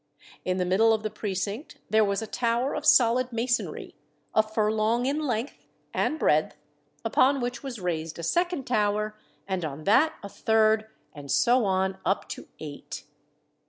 In the middle of the precinct there was a tower of solid masonry, a furlong in length and breadth, upon which was raised a second tower, and on that a third, and so on up to eight.